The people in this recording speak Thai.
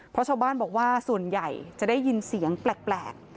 เพราะชาวบ้านบอกว่าส่วนใหญ่จะได้ยินเสียงแปลก